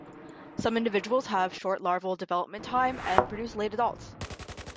Some individuals have a short larval development time and produce late adults.